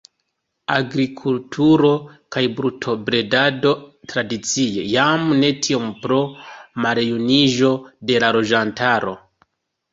Agrikulturo kaj brutobredado tradicie, jam ne tiom pro maljuniĝo de la loĝantaro.